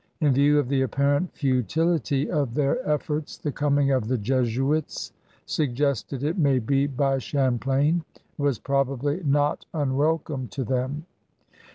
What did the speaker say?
In view of the apparent futility of their efforts, the coming of the Jesuits — suggested, it may be, by Champlain — was probably not imwelcome to them.